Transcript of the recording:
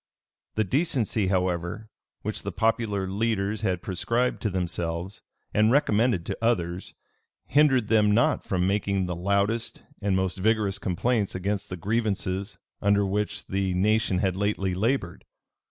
The decency, however, which the popular leaders had prescribed to themselves, and recommended to others, hindered them not from making the loudest and most vigorous complaints against the grievances under which the nation had lately labored.